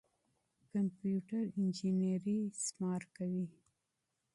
کمپيوټر انجنيري حساب کوي.